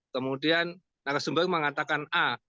kemudian narasumber mengatakan a